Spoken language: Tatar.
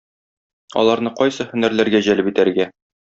Аларны кайсы һөнәрләргә җәлеп итәргә?